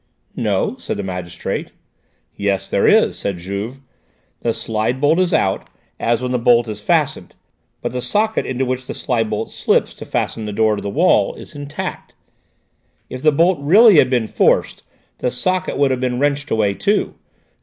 "No," said the magistrate. "Yes, there is," said Juve; "the slide bolt is out, as when the bolt is fastened, but the socket into which the slide bolt slips to fasten the door to the wall is intact. If the bolt really had been forced, the socket would have been wrenched away too."